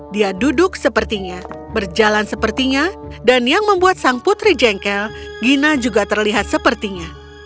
dia duduk sepertinya berjalan sepertinya dan yang membuat sang putri jengkel gina juga terlihat sepertinya